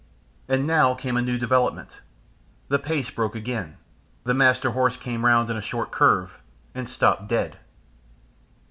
And now came a new development. The pace broke again, the Master Horse came round on a short curve, and stopped dead....